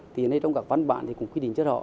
thì trong các văn bản cũng quy định cho rõ